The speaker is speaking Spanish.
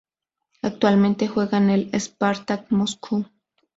Actualmente juega en el Spartak Moscú.